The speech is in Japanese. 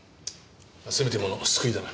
せめてもの救いだな。